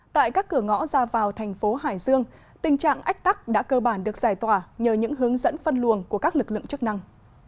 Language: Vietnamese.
tại các cửa ngõ ra vào thành phố hải dương tình trạng ách tắc đã cơ bản được giải tỏa nhờ những hướng dẫn phân luồng của các lực lượng chức năng